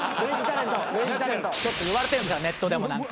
ちょっといわれてるんですからネットでも何か。